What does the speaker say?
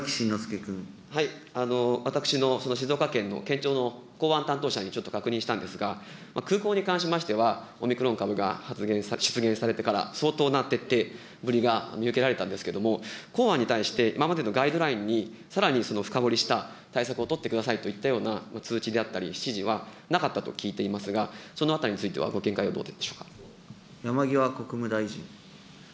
私の静岡県の県庁の港湾担当者にちょっと確認したんですが、空港に関しましては、オミクロン株が出現されてから相当な徹底ぶりが見受けられたんですけれども、港湾に対して、今までのガイドラインに、さらに深掘りした対策を取ってくださいといったような通知であったり、指示はなかったと聞いていますが、そのあたりについては、ご見解はど山際国務大臣。